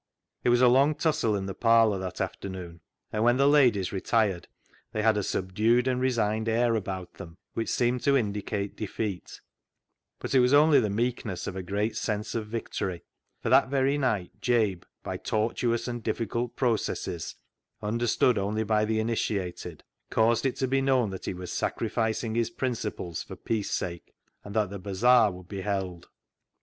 It was a long tussle in the parlour that afternoon, and when the ladies retired they had a subdued and resigned air about them which "THE ZEAL OF THINE HOUSE" 333 seemed to indicate defeat, but it was only the meekness of a great sense of victory, for that very night Jabe, by tortuous and difficult processes, understood only by the initiated, caused it to be known that he was sacrificing his principles for peace sake, and that the bazaar would be held.